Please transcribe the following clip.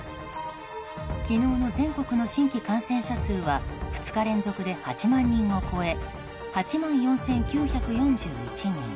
昨日の全国の新規感染者数は２日連続で８万人を超え８万４９４１人。